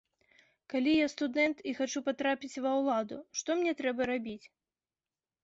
Калі я студэнт і хачу патрапіць ва ўладу, што мне трэба рабіць?